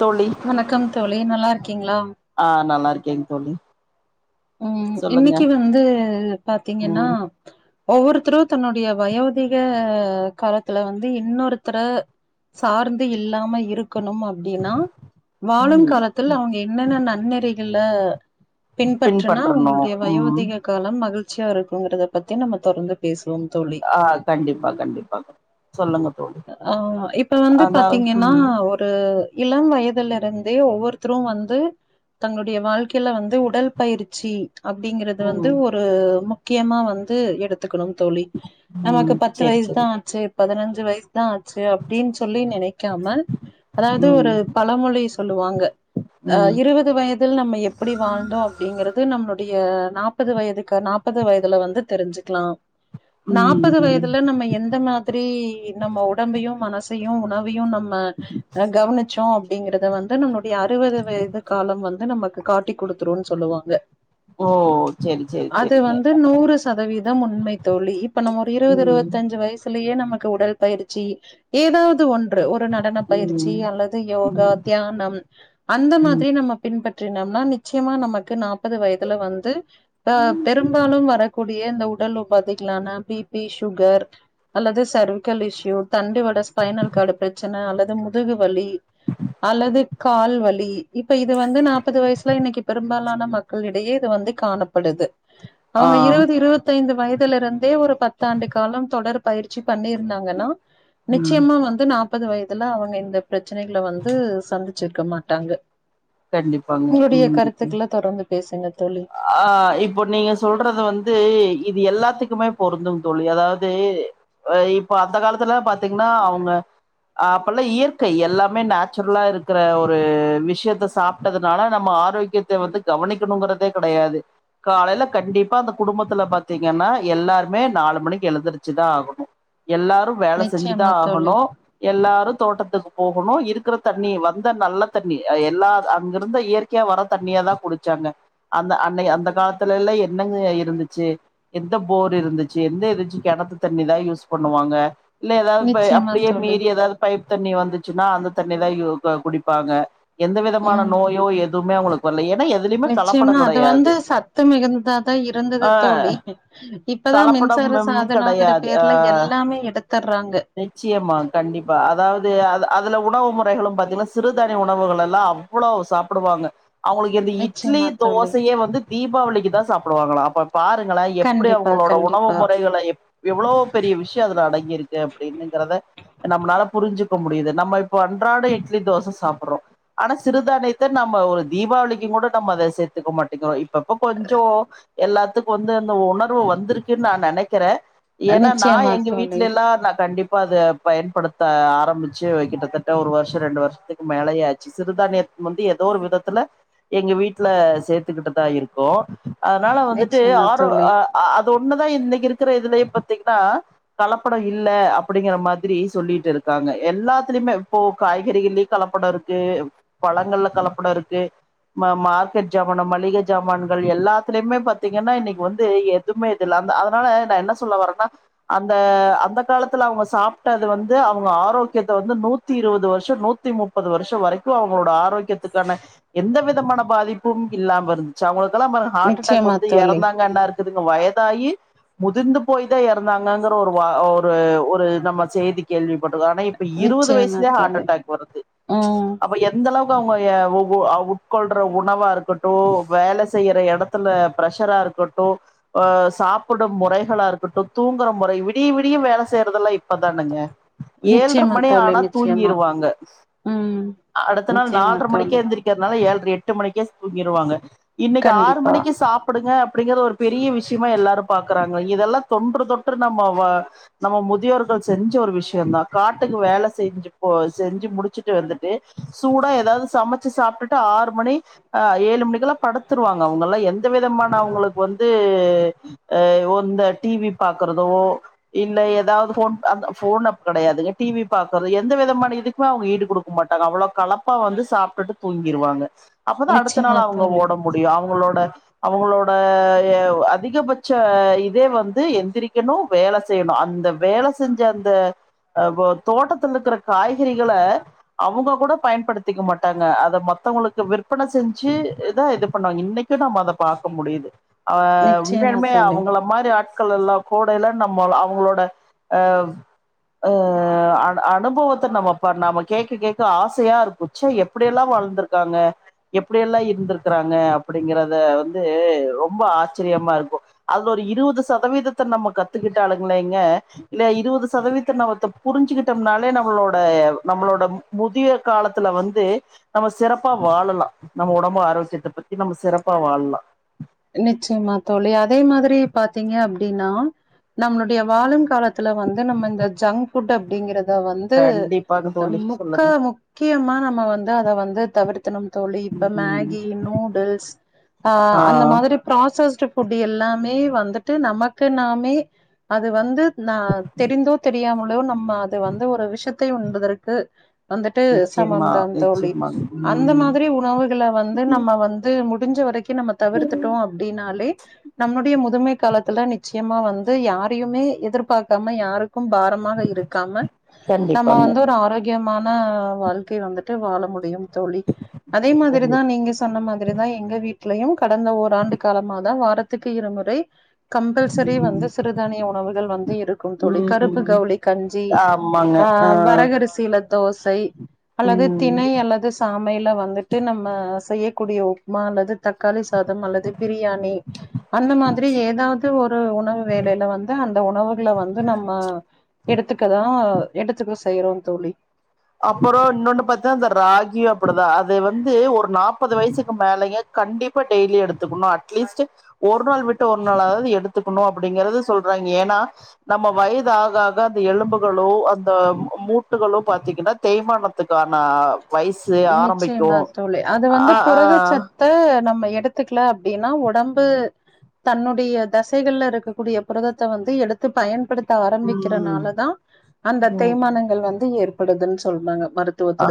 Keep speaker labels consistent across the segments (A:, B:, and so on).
A: தோழி
B: வணக்கம் தோழி நல்லா இருக்கீங்களா
A: ஆ நல்லா இருக்கேங் தோழி
B: ம்
A: சொல்லுங்க
B: இன்னிக்கு வந்து பாத்தீங்கன்னா
A: ம்
B: ஒவ்வொருத்தரு தன்னுடைய வயோதிக காலத்துல வந்து இன்னொருத்தர சார்ந்து இல்லாம இருக்கணும் அப் டின்னா வாழும்
A: ம்
B: காலத்தில அவங்க என்னென்ன நன்னெறிகள பின்பட் னா
A: பின்பற்றணு
B: உங்களுடைய
A: ம்
B: வயோதிக காலம் மகிழ்ச்சியா இருக்குங்கறத பத்தி நம்ம தொடர்ந்து பேசுவோம் தோழி
A: ஆ கண்டிப்பா கண்டிப்பா சொல்லுங்க தோழி
B: ஆமா இப்ப வந்து
A: அதாவது
B: பாத்தீங்கன்னா
A: ம்
B: ஒ இளம் வயதல இருந்தே ஒவ்வொருத்தரு வந்து தங்களுடைய வாழ்க்கையில வந்து உடல் பயிச்சி அப்படிங்கிறது வந்து
A: ம்
B: ஒரு முக்கியமா வந்து எடுத் த்துக்கணும் தோழி
A: ம்
B: நமக்கு பத்து
A: சேரி
B: வயசு தா
A: சேரி
B: ஆச்சு பதினஞ்சு வயஸ் தா ஆச்சு அப்டின் சொல்லி நினைக்காம அதாவது
A: ம்
B: ஒரு பழமொழி சொல்லுவாங்க அ
A: ம்
B: இருவது வயதில் நம்ம எப்படி வாழ்ந்தோ அப்படிங்கறது நம்மளுடைய நாப்பது வயதுக்கு நாப்பது வயதுல வந்து தெரிஞ்சுக்கலா
A: ம்
B: நாப்பது
A: ம்
B: வயதுல நம்ம எந்த மா திரி நம்ம உடம்பையு மனசையு உணவையு நம்ம கவனிச்சோ அப்படிங்கறத வந்து நம்மளுடைய அறுபது வயது காலம் வந்து நமக்கு காட்டி கொடுத்துருன் சொல்லுவாங்க
A: ஓ சேரி சேரி
B: அது
A: சேரிங்க
B: வந்து நூறு சதவீத உண்மை தோழி இப்ப நம்ம ஒரு இருபது
A: ம்
B: இருபத்தஞ்சு வயசு யே நமக்கு உடல் பயிற்சி ஏதாவது ஒன்று ஒரு நாள் நடன பயிற்சி
A: ம்
B: அல்லது யோகா
A: ம்
B: தியானம் அந்த
A: ம்
B: மாதிரி நம்ம பின்பற்றினம்னா நிச்சயமா நமக்கு நாப்பது வயதுல வந்து அ பெரும்பாலு வரக்கூடிய இந்த உடல் உபாதைகாளான பிபி சுகர் அல்லது சர்வக்கல் இஷ்யூ தண்டுவட ஸ்பைனல் கார்டு பிரச்சன அல்லது முதுகு வலி அல்லது கால் வலி இப்ப இது வந்து நாப்பது வயசுல இன்னிக்கு பெரும்பாலான மக்களிடையே இது வந்து காணப்படுது
A: ஆ
B: அவங்க இருபது இருபத்தை ஐந்து வயதுல இருந்தே ஒரு பத்தாண்டு காலம் தொடர்பு பயிற்சி பண்ணியிருந்தாங்கன்னா
A: ம்
B: நிச்சயமா வந்து நாற்பது வயதுல அவங்க இந்த பிரச்சனகள வந்து சந்திச்சிருக்க மாட்டாங்க
A: கண்டிப்பாங்க
B: உங்களுடைய
A: ம்
B: கருத்துக்கள தொடர்ந்து பேசுங்க தோழி
A: ஆ இப்போ நீங்க சொல்றது வந்து இது எல்லாத்துக்குமே பொருந்து தோழி அதாவது இப்ப அந்த காலத்துல பாத்தீங்கன்னா அவங்க அப்பல்லா இயற்கை எல்லாமே நேச்சுரலா இருக்கிற ஒரு விஷயத்த சாப்ட்டதுனால நம்ம ஆரோக்கிய யக்கியத்த வந்து கவனிக்கணுங்கிறதே கிடையாது காலையில கண்டிப்பா அந்த குடும்பத்துல பாரத்தீங்கன்னா எல்லாருமே நாலு மணிக்கு எழுந்தருச்சுதா ஆகணு எல்லாரு வேல
B: நிச்சயமா
A: செஞ்சுதா
B: தோழி,
A: ஆகணு எல்லாரு தோட்டத்துக்கு போகணு இருக்கிற தண்ணி வந்த நல்ல தண்ணி எல்லா அங்கிருந்த இயற்கை யா வர தண்ணியாதா குடிச்சாங்க அந்த அன்னை அந்த காலத்துலல்லா என்னங்க இருந்துச்சு எந்த போர் இருந்துச்சு எந்த எதச்சு கிணத்து தண்ணிதா யூஸ் பண்ணுவாங்க இல்ல ஏதாவது
B: நிச்சயமா
A: அப்டியே
B: தோழி.
A: மீறி ஏதாவது பைப் தண்ணி வந்துச்சுன்னா அந்த தண்ணிதா யூ குடிப்பாங்க எந்த விதமான
B: ம்.
A: நோயோ எதுவுமே அவங்களுக்கு வரல ஏன்னா எதுலயுமே கல
B: நிச்சயமா அது வந்து சத்து மிகுந்ததாதா இருந்தது
A: ஆஹ்
B: தோழி இப்பதா மின்சார
A: கலப்படமும்
B: சாதனாங்கிற
A: கிடையாது
B: பேர்ல எல்லாமே எடுத்துடுறாங்க
A: நிச்சயமா கண்டிப்பா அதாவது அ அதுல உணவு முறைகளு பார்த்தீங்கன்னா சிறுதானி உணவுகள் எல்லா வளோ சாப்டுவாங்க அவங்களுக்கு அது இட்லி
B: நிச்சயமா தோழி.
A: தோசையே வந்து தீபாவளிக்கு தா சாப்டுவாங்களா அப்ப பாருங்கள எப்டி
B: கண்டிப்பா,
A: அவங்களோட உணவு
B: கண்டிப்பா.
A: முறைகள எவ்வளோ பெரிய விஷய அதுல அடங்கியிருக்கு அப்டின்னுங்கிறத நம்மளால புரிஞ்சுக்க முடியுது நம்ம இப்ப அன்றாட இட்லி தோச சாப்டுறோ ஆனா சிறுதானியத்த நம்ம ஒரு தீபாவளிக்கும் கூட நம்ம அத எத்துக்க மாட்டேங்கிறோ இப்பப்ப கொஞ்ச எல்லாத்துக்கு வந்து அந்த உணர்வு வந்திருக்குன்னு நா நினைக்கிற ஏன்னா நா
B: நிச்சயமா
A: எங்க
B: தோழி,
A: வீட்ல எல்லா நா கண்டிப்பா அத பயன்படுத்த ஆரம்பிச்சு கிட்டத்தட்ட ஒரு வருஷ ரெண்டு வருஷத்துக்கு மேலேயா ஆச்சு சிறுதானியத்தை வந்து ஏதோ ஒரு விதத்துல எங்க வீட்டுல சேர்த்துக்கிட்டுதா இருக்கோ அதனால வந்துட்டு
B: நிச்சயமா
A: ஆரோ
B: தோழி,
A: அது ஒண்ணுதா இன்னிக்கு இருக்கிற இதுலயே பாத்தீங்கன்னா கலப்பட இல்ல அப்டிங்கிற மாதிரி சொல்லிட்டு இருக்காங்க எல்லாத்துலயுமே இப்போ காய்கறிகள்லயு கலப்பட இருக்கு பழங்கள்ல கலப்பட இருக்கு மார்க்கெட் ஜ மளிக ஜமான்கள் எல்லாத்திலயுமே பாத்தீங்கன்னா இன்னிக்கு வந்து எதுவுமே இல் அதனால நா என்ன சொல்ல வரேனா அந்த அந்த காலத்துல அவங்க சாப்ட்டது வந்து அவங்க ஆரோக்கியத்தை வந்து நூத்தி இருபது வருஷ நூத்தி முப்பது முப்பது வருஷ வரைக்கும் அவங்களோட ஆரோக்கியத்துக்கான எந்த விதமான பாதிப்பு கும் இல்லாம இருந்துச்சு அவங்களுக்கெல்லா ஹார்ட் அட்டாக்
B: நிச்சயமா
A: வந்து
B: தோழி.
A: இறந்தாங்கன்னா இருக்குதுங்க வயதாயி முதிர்ந்து போய் தா இறந்தாங்கங்கிற ஒரு ஒரு ஒரு நம்ம செய்தி கேள்விப்பட்ருக்கோ ஆனா இப்ப இருபது
B: நிச்சயமா
A: வயசுலயே ஹார்ட்
B: தோழி
A: அட்டாக் வருது
B: ம்
A: அப்ப எந்த எந்த அளவுக்கு அவங்க உட்கொள்ற உணவா இருக்கு கட்டு வேல செய்யற இடத்துல பிரஷரா இருக்கட்டு ஓ சாப்புடு முறைகளா இருக்கட்டு தூங்குற முறை விடிய விடிய வேலை செய்யறதெல்லா இ ப்ப தானங்க ஏழ்ற
B: நிச்சயமா
A: மணி
B: தோழி
A: ஆனா
B: நிச்சயமா
A: தூங்கிருவாங்க
B: ம்
A: அடுத்த நாள்
B: நிச்சயமா
A: நாலரை மணிக்கு
B: தோழி
A: எந்திரிக் கனால ஏழு எட்டு மணிக்கே தூங்கிடுவாங்க இன்னைக்கு ஆறு
B: கண்டிப்பா
A: மணிக்கு சாப்ப ப்பிடுங்க அப்டிங்கறத ஒரு பெரிய விஷயமா எல்லாரு பாக்குறாங்க இதெல்லா தொன்று தொட்டு நம்ம நம்ம முதியோர்கள் செஞ்ச ஒரு விஷயம்தா காட்டுக்கு வேலை செஞ்சு போ செஞ்சு முடிச்சுட்டு வந்துட்டு சூடா எதாவது சமைச்சு சாப்ட்டுட்டு ஆறு மணி அ ஏழு மணிக்குல்லா படுத்துருவாங்க அவங்கல்லா எந்த விதமான அவங்களுக்கு வந்து அ இந்த இந்த டிவி பாக்குறதோ இல்ல எதாவது போ ஃபோன் கெடையாதுங்க டிவி பாக்குறது எந்த விதமான இதுக்குமே அவங்க ஈடு மாட்டாங்க அவ்ளோ கலப்பா வந்து சாப்ட்டுட்டு தூங்கிடுவாங்க அப்பதா அடுத்த
B: நிச்சயமா
A: நாள் அவங்க
B: தோழி
A: உடம்பு முடியு அவங்களோட அவங்களோட அதிகபட்ச இதே வந்து எந்திரிக்கணு வேலை செய்யணு அந்த வேலை செஞ்ச அந்த அப்ப தோட்டத்துல இருக்கிற காய்கறிகள அவங்க கூட பயன்படுத்திக்க மாட்டாங்க அத மத்தவங்களுக்கு விற்க ப்பனை செஞ்சு இதா இது பண்ணுவாங்க இன்னைக்கு நம்ம அத பாக்க முடியுது ஆ
B: நிச்சயமா
A: உண்மையாலுமே
B: தோழி
A: அவங்கள மாரி ஆட் கள் எல்லா கூடைல நம்ம அவங்களோட அ ஆ அனுபவத்த நம்ம நாம கேட்க கேட்க ஆசையா இருக்கு ச எப்படியெல்லா வாழ்ந்திருக்காங்க எப்படியெல்லா இருந்திருக்குறாங்க அப்டிங்கறத வந்து ரொம்ப ஆச்சரியமா இருக்கு அதுல ஒரு இருபது சதவீதத்த நம்ம கத்துக்கிட்டாளுங்களேங்க இல்ல இருபது சதவீதத்த நம்மத்த புரிஞ்சுகிட்டோம்னாலே நம்மளோட நம்மளோட நம்ம முதிய காலத்துல வந்து நம்ம சிறப்பா வாழலா நம்ம உடம்பு ஆரோக்கியத்த பத்தி நம்ம சிறப்பா வாழ்லா
B: நிச்சயமா தோழி அதே மாதிரி பாத்தீங்க அப்டின்னா நம்மளுடைய வாழும் காலத்துல வந்து நம்ம இந்த ஜங்க் ஃபுட் அப்டிங்கறத வந்து
A: கண்டிப்பாக தோழி
B: தம்முக்கா
A: சொல்லுங்க
B: மு முக்கியமா நம்ம வந்து அத வந்து தவிர்த்தணும் தோழி இப்ப
A: ம்
B: மேகி நூடுல்ஸ் ஆ அந்த மாரி ப்ராசஸ்டு ஃபுட் எல்லாமே வந்துட்டு நமக்கு நாமே அது வந்து நா தெரிந்தோ தெரியாமலோ நம்ம அது வந்து ஒரு விஷத்தை உண்பதற்கு வந்துட்டு
A: நிச்சயமா
B: சமம்தான் தோழி
A: நிச்சயமாங்க
B: அந்த
A: ம்
B: மாதிரி உணவுகள வந்து நம்ம வந்து முடிஞ்ச வரைக்கு நம்ம தவிர்த்துட்டோ அப்டின்னாலே நம்மளுடைய முதுமை காலத்துல நிச்சயமா வந்து யாரையுமே எதிர்பார்க்காம யாருக் க்கும் பாரமாக இருக்காம நம்ம
A: கண்டிப்பாங்க
B: வந்து ஒரு ஆரோக்கியமான வாழ்க்கை வந்துட்டு வாழ முடியும் தோழி அதே மாதிரிதா
A: கண்டிப்
B: நீங்க சொன்ன மாதிரிதா எங்க வீட்லயு கடந்த ஒரு லாண்டு காரம்மா தா வாரத்துக்கு இருமுறை கம்பல்சரி வந்து சிறுதானிய உணவுகள் வந்து இருக்கும் தோழி
A: ம்
B: கருப்பு
A: ம்
B: கவுளி கஞ்சி ஆ வரகரிசில தோசை அல்லது
A: ம்
B: திணை அல்லது சாமையில வந்துட்டு நம்ம செய்யக்கூடிய உப்மா அல்லது தக்காளி சாதம் அல்லது பிரியாணி. அந்த மாதிரி ஏதாவது ஒரு அந்த மாதிரி எதாது ஒரு உணவு வேளையில வந்து அந்த உணவுகள வந்து நம்ம எடுத்துக்கதா எடுத்துக்க செய்யறோ தோழி.
A: அப்றோ இன்னொன்னு பாத்தா இந்த ராகி அப்டிதா அது வந்து ஒரு நாற்பது வயசுக்கு மேலயே கண்டிப்பா டெய்லி எடுத்துக்கணு அட்லீஸ்ட். ஒரு நாள் விட்டு ஒரு நாளாது எடுத்துக்கணு அப்டிங்கிறத சொல்றாங்க ஏன்னா நம்ம வயது ஆக ஆக அந்த எலும்புகளோ அந்த மூ மூட்டுகளோ பாத் தீங்கன்னா தேய்மானத்துக்கான வயசு ஆரம்பிக்கு
B: நிச்சயமா
A: ஆ ஆ
B: த்த நம்ம எடுத்துக்கல அப்டின்னா ஒடம்பு தன்னுடைய தசைகள்ல இருக்கக்கூடிய புரததத்த வந்து எடுத்து பயன்படுத்
A: ம்
B: ஆரம்பிக்கிறதுனாலதா அந்த
A: ம்
B: தேய்மானங்கள் வந்து ஏற்படுதுன்னு சொல்றாங்க மருத்
A: அ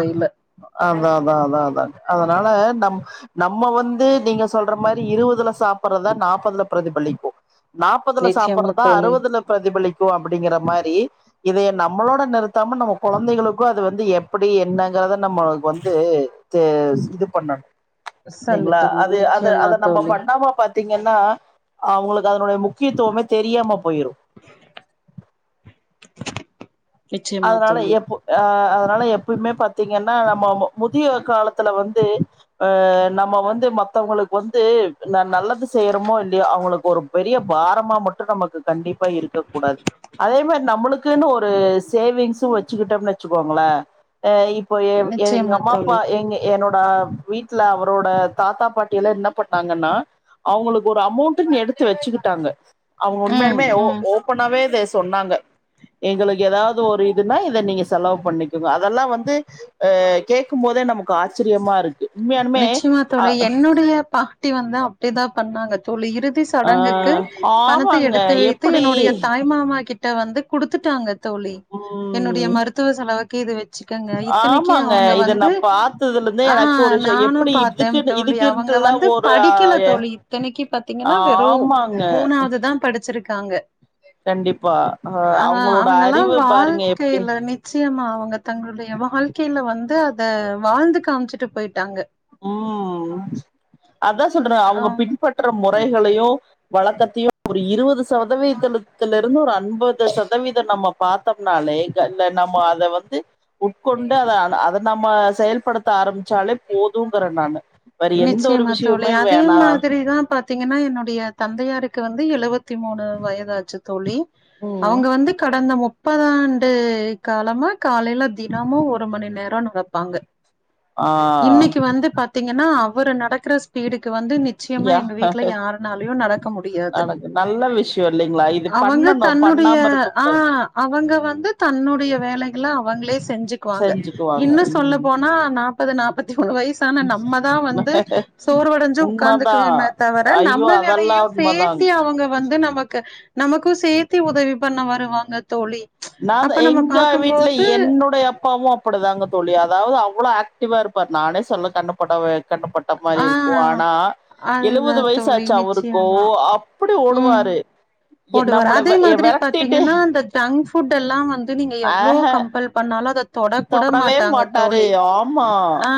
A: அதா அதா அதா அதா அதனால நம் நம்ம வந்து நீங்க சொல்ற மாரி இருவதுல சாப்பட்றத நாற்பதுல பிரதிபலிக்கு நாப்பதுல
B: நிச்சயமா
A: சாப்பட்றதா
B: தோழி
A: அறுவதுல பிரதிபலிக்கு அப்டிங்கிற மாரி இத நம்மளோட நிறுத்தாம நம்ம கொழந்தைகளுக்கு அது வந்து எப் எப்டி என்னங்கறத நம்ம வந்து த இது பண்ணணு
B: சொல்லி
A: இல்லைங்ளா
B: தரணு
A: அது அத
B: நிச்சயமா
A: அத நம்ம
B: தோழி
A: பண்ணாம பாத் த்தீங்கன்னா அவுங்களுக்கு அதனுடைய முக்கியத்துவமே தெரியாம போயிரு
B: நிச்சயமா
A: அதனால
B: தோழி
A: எப்போ அ அதனால எப்பயுமே பாத்தீங்கன்னா நம்ம மு முதிய காலத்துல வந்து அ நம்ம வந்து மத்தவங்களுக்கு வந்து ந நல்லது செய்யறோமோ இல்லையோ அவுங்களுக்கு ஒரு பெரிய பாரமா மட்டு நமக்கு கண்டிப்பா இருக்க கூடாது அதே மாரி நம்முளுக்குன்னு ஒரு சேவிங்ஸு வெச்சுக்கிட்டோம்னு வெச்சுக்கோங்களே அ இப்போ எ எங்க
B: நிச்சயமா
A: அம்மா
B: தோழி
A: அப்பா எங்க என்னோட வீட்ல அவரோட தாத்தா பாட்டி எல்லா என்ன பண்ணாங்கன்னா அவுங்களுக்கு ஒரு அமௌன்ட்டுன்னு எடுத்து வெச்சுக்கிட்டாங்க. அவேங்க
B: ம்
A: உண்மையானுமே ஓ
B: ம்
A: ஓப்பனாவே இத சொன்னாங்க எங்களுக்கு ஏதாவ து ஒரு இதுன்னா இத நீங்க செலவு பண்ணிக்கங்க அதெல்லா வந்து அ கேக்கும் போதே நமக்கு ஆச்சரியமா இருக்கு. உண்மையானுமே
B: நிச்சயமா
A: அ
B: தோழி என்னுடைய பாட்டி வந்து அப்டிதா பண்ணாங்க தோழி இறுதி
A: ஆ
B: சடங்குக்கு பணத்த
A: ஆமாங்க
B: எடுத்து வைத்து
A: எப்டி
B: என்னுடைய தாய் பெரிய மாமா கிட்ட வந்து குடுத்துட்டாங்க தோழி என்னுடைய
A: ம்
B: மருத்துவ செலவுக்கு இது வெச்ச சிக்கங்க இத்தனைக்கு
A: ஆமாங்க
B: அவுங்க
A: இத நா
B: வந்து
A: பாத்ததுலருந்தே
B: ஆ
A: எனக்கு ஒரு விஷ
B: நானும்
A: எப்டி
B: பாத்தே
A: இதுக்குன்னு
B: தோழி அவுங்க
A: இதுக்குன்ட்டுல்லா
B: வந்து
A: ஒரு ஆ
B: படிக்கல
A: எ
B: தோழி இத்தனைக்கு பாத்தீங்கன்னா வெறு
A: ஆமாங்க
B: மூணா வதுதா படிச்சிருக்காங்க
A: கண்டிப்பா அ
B: ஆ
A: அவங்களோட
B: அவங்கள்லா
A: அறிவு பாருங்க எப்டி
B: வாழ்க்கையில நி நிச்சைமா அவுங்க தங்களுடைய வாழ்க்கையில வந்து அத வாழ்ந்து காமிச்சுட்டு போயிட்டாங்க.
A: ம் அதா சொல்ற
B: ஆ
A: அவுங்க பின்பற்ற முறைகளையு வழக்கத்தையு ஒரு இருவது சதவீதத்துல இருந்து ஒரு அம்பது சதவீத நம்ம பாத்தம்னாலே இங்க இல்ல நம்ம அத வந்து உட்கொண்டு அத அத அத நம்ம செயல்படுத்த ஆரம்பிச்சாலே போதுங்கற நானு வேற எந்த ஒரு
B: நிச்சயமா தோழி
A: விஷயமுமே
B: அதே
A: வேணா
B: மாதிரிதா பாத் திங்கன்னா என்னுடைய தந்தையாருக்கு வந்து எழுவத்தி மூணு வயதாச்சி தோழி
A: ம்
B: அவுங்க வந்து கடந்த முப்பது ஆண்டு காலமா காலைல தினமு ஒரு மணி நேரோ நட பாங்க
A: ஆ
B: இன்னைக்கு வந்து பார்த்தீங்கன்னா அவரு நடக்கிற ஸ்பீடுக்கு வந்து நிச்சயமா
A: யா
B: எங்க வீட்ல யாருனாலயு நடக்க முடியாது
A: நடக்கு நல்ல விஷ்
B: அவங்க தன்னுடைய
A: இருக்க
B: அ
A: கூடாது
B: அவங்க வந்து தன்னுடைய வேலைக் எல்லா அவங்களே செஞ்சுக்குவாங்க
A: செஞ்சுக்குவாங்க
B: இன்னு சொல்ல
A: ம்
B: போனா நாப்பது நாப்பத்தி மூனு வயசானா நம்ம தா வந்து சோர்வடைஞ்சு
A: உண்மதா
B: உட்காந்துக்குனுமே தவிர
A: ஐயோ
B: நம்ம
A: அதெல்லா
B: வேலையு
A: உண்மதாங்க
B: சேத்தி அவங்க வந்து நமக்கு நமக்கு சேத்தி உதவி பண்ண வருவாங்க தோழி
A: நா அதா
B: அப்ப நம்ம
A: எங்க வீட்டுல
B: பாக்கும்போது
A: என்னுடைய அப்பாவு அப் அப்டிதாங்க தோழி அதாவது அவ்ளோ ஆக்டிவா இருப்பாரு நானே சொல்ல கண்ணு படுவே கண்ணுப்பட்ட மாரி
B: ஆ
A: இருக்கு ஆனா
B: அதுதா
A: எழுவது
B: தோழி
A: வயசாச்சு அவருக்கு
B: நிச்சயமா
A: அப் அப்டி ஓடுவாரு எ
B: ஓடுவாரு
A: நம்மள
B: அதே
A: வெ
B: மாதிரி
A: வெரட்டிட்டு
B: பாத்தீங்கன்னா அந்த ஜங்க் ஃபுட்டல்லா வந்து நீங்க எவ்ளோ
A: ஆஹ
B: கம்பல் பண்ணாலு அத தொட கூட
A: தொடவே
B: மாட்டாங்க
A: மாட்டாரு.
B: தோழி
A: ஆமா.
B: அ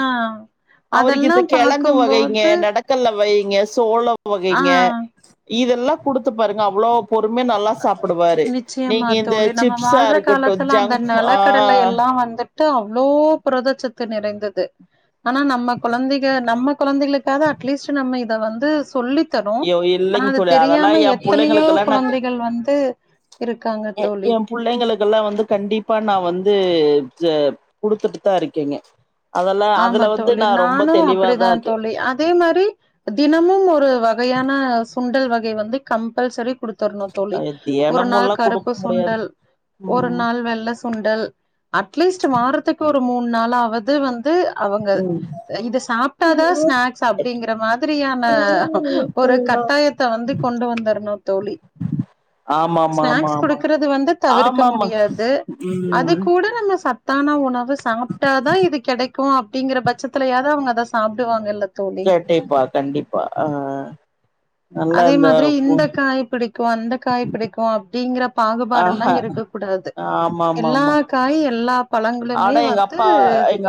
B: அதெல்லா பாக்கும்போது
A: கல்ல வகைங்க சோளம்
B: ஆ
A: வகைங்க இதெல்லா கொடுத்து பாருங்க அவ்ளோ பொறுமையா நல்லா சாப்பிடுவாரு
B: நிச்சயமா
A: நீங்க இந்த
B: தோழி நம்ம
A: சிப்ஸ்ஸா
B: வாழ்ற
A: இருக்கட்டு
B: காலத்துல அந்த
A: ஜங்க் அ
B: நெலக்கடலை எல்லா வந்துட்டு அவ்ளோ புரதச்சத்து நிறைந்தது ஆனா நம்ம குழந்தைக நம்ம குழந்தைகளுக்காக அட்லீஸ்ட் நம்ம இத வந்து சொல்லி தாரோ
A: ஐயோ
B: ஆனா
A: இல்லைங்க
B: அது
A: தோழி அதெல்லா
B: தெரியாம
A: எ
B: எத்தனையோ
A: புள்ளைங்களுக்கெல்லா
B: குழந்தைகள் வந்து இருக்காங்க
A: ஏ
B: தோழி
A: எம் புள்ளைங்களுக்கெல்லா வந்து கண்டிப்பா நா வந்து இது குடுத்துட்டு தா இருக்கேங்க அதெல்லா
B: ஆமா
A: அதுல வந்து
B: தோழி
A: நா ரொம்ப
B: நானு அப்டிதா
A: தெளிவாதா இருக்கே
B: தோழி அதே மாரி தினமு ஒரு வகையான சுண்டல் வகை வந்து கம்பல்சரி குடுத் தரணு தோழி
A: அது
B: ஒரு நாள்
A: தினமுல்லா குடுக்க
B: கருப்பு
A: முடியாது
B: சுண்டல் ஒரு
A: ம்
B: நாள் வெள்ள சு சுண்டல் அட்லீஸ்ட் வாரத்துக்கு ஒரு மூணு நாளாவது வந்து அவங்க
A: ம்
B: இத சாப்ட்டாதா ஸ்நாக்ஸ் அப்டிங்கிற மாதிரியான ஒரு கட்டாயத்த வந்து கொண்டு வந்துரணு தோழி
A: ஆமா ஆமா ஆமா
B: ஸ்நாக்ஸ்
A: ஆமா
B: கொடுக்கறது வந்து தவிர்க்க
A: ஆமாமா
B: முடியாது
A: ம்
B: அதிக் கூட நம்ம சத் சத்தான உணவு சாப்ட்டாதா இது கெடைக்கு அப்படிங்கிற பட்சத்துலயாவது அவங்க அத சாப்பிடுவாங்கல்ல தோழி
A: கண்டிப்பா கண்டிப்பா அ
B: அதே மாதிரி இந்த காய் பிடிக்கு அந்த காய் பிடிக்கு அப்டிங்கிற பாகுபாடுல்லா
A: ஆஹ
B: இருக்க கூடாது
A: ஆமா ஆமா
B: எல்லா
A: ஆமா
B: காயு எல்லா பழங்களுமே
A: ஆனா எங்க
B: வந்து
A: அப்பா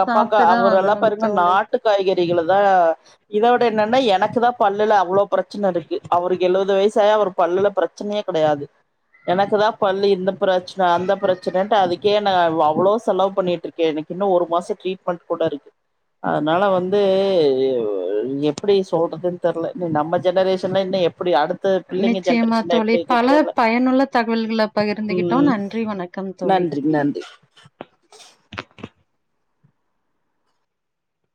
B: சாப்ட்டுதா ஆகணு தோழி
A: காய்கறிகளுதா இதோட என்னன்னா எனக்கு தா பல்லுல அவ்ளோ பிரச்சன இருக்கு அவருக்கு எழுவது வயசாயு அவரு பல்லுல பிரச்சனையே கெடையாது எனக்கு தா பல்லு இந்த பிரச்சன அந்த பிரச்சனட்டு அதுக்கே என்ன அவ்ளோ செலவு பண்ணிட்டு இருக்கே எனக்கு இன்னு ஒரு மாசோ ட்ரீட்மெண்ட் கூட இருக்கு அதனால வந்து அ ஓ எப்டி சொல்றதுன்னு தெரில இனி நம்ம ஜெனரேஷன் இன்னுஇன்னு எப்டி அடுத்
B: நிச்சயமா தோழி பல பயனுள்ள தகவல்கள பகிர்ந்துகிட்டோ
A: ம்
B: நன்றி வணக்
A: நன்றி நன்றி